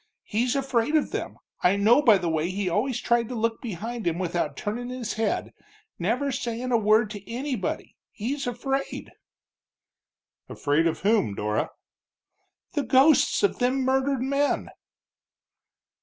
He's afraid of them, I know by the way he always tried to look behind him without turnin' his head, never sayin' a word to anybody, he's afraid." "Afraid of whom, Dora?" "The ghosts of them murdered men!"